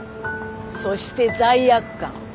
そして罪悪感！